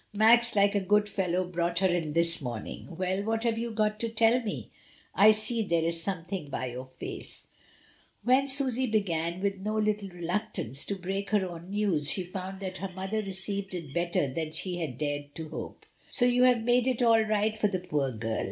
"Max, like a good fellow, brought her in this morning. "Well, what have you got to tell me? I see there is some thing by your face." SUSANNA AND HER MOTHER. 121 When Susy began, with no little reluctance, to break her own news she found that her mother re ceived it better than she had dared to hope. "So you have made it all right for the poor girl.